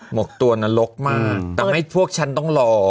หมกตัวนระล็กมากให้พวกฉันต้องรอ